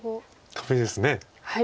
トビです。